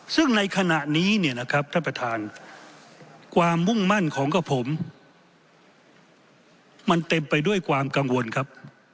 ซึ่งในขณะนี้เนี่ยนะครับท่านประธานความมุ่งมั่นของกับผมมันเต็มไปด้วยความกังวลครับ